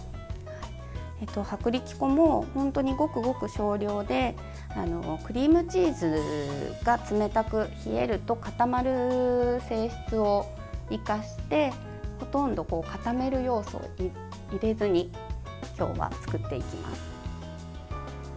薄力粉も本当にごくごく少量でクリームチーズが冷たく冷えると固まる性質を生かしてほとんど固める要素を入れずに今日は作っていきます。